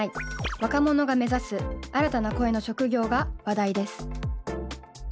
若者が目指す新たな声の職業が話題です。